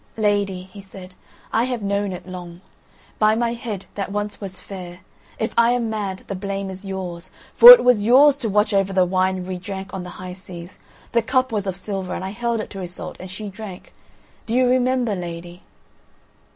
"Lady," he said, "I have known it long. By my head, that once was fair, if I am mad the blame is yours, for it was yours to watch over the wine we drank on the high seas. The cup was of silver and I held it to Iseult and she drank. Do you remember, lady?"